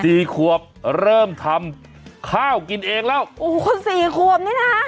ขวบเริ่มทำข้าวกินเองแล้วโอ้โหคนสี่ขวบนี่น่ะ